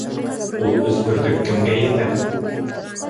Ул өс бөртөк кемгә етә?